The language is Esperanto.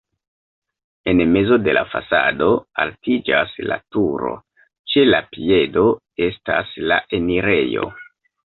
En mezo de la fasado altiĝas la turo, ĉe la piedo estas la enirejo.